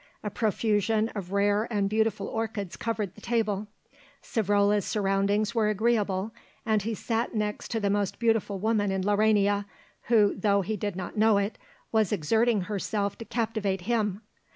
A profusion of rare and beautiful orchids covered the table; Savrola's surroundings were agreeable, and he sat next the most beautiful woman in Laurania, who, though he did not know it, was exerting herself to captivate him.